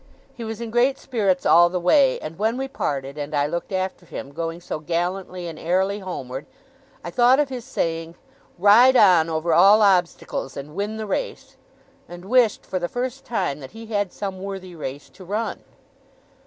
He was in great spirits all the way; and when we parted, and I looked after him going so gallantly and airily homeward, I thought of his saying, 'Ride on over all obstacles, and win the race!' and wished, for the first time, that he had some worthy race to run.